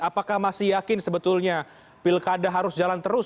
apakah masih yakin sebetulnya pilkada harus jalan terus